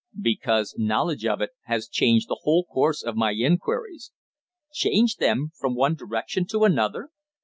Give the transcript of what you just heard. "Because knowledge of it has changed the whole course of my inquiries." "Changed them from one direction to another?"